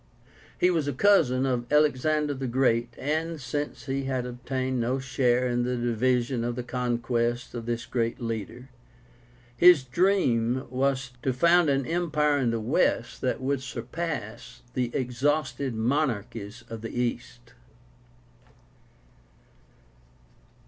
He was cousin of Alexander the Great, and, since he had obtained no share in the division of the conquests of this great leader, his dream was to found an empire in the West that would surpass the exhausted monarchies of the East.